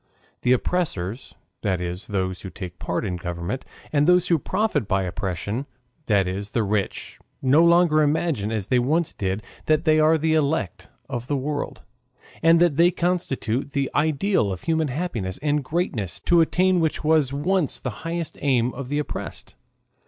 The oppressors, that is, those who take part in government, and those who profit by oppression, that is, the rich, no longer imagine, as they once did, that they are the elect of the world, and that they constitute the ideal of human happiness and greatness, to attain which was once the highest aim of the oppressed.